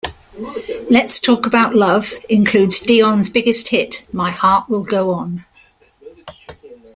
"Let's Talk About Love" includes Dion's biggest hit, "My Heart Will Go On".